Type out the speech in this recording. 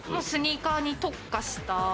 スニーカーに特化した。